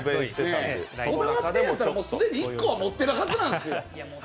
こだわってるんだったら既に１個持ってるはずなんですよ。